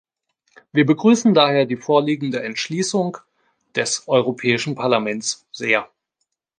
Wir begrüßen daher die vorliegende Entschließung des Europäischen Parlaments sehr.